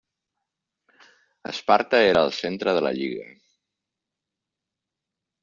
Esparta era el centre de la lliga.